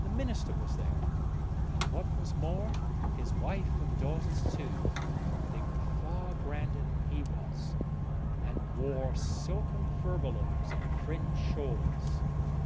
The minister was there, and what was more, his wife and daughters too; they were far grander than he was, and wore silken furbelows and fringed shawls.